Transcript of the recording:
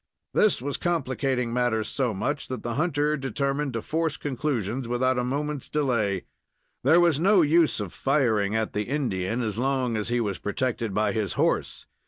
This was complicating matters so much that the hunter determined to force conclusions without a moment's delay. There was no use of firing at the Indian as long as he was protected by his horse.